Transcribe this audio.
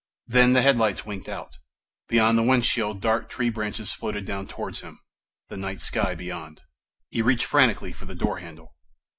Then the headlights winked out. Beyond the windshield, dark tree branches floated down towards him, the night sky beyond. He reached frantically for the door handle.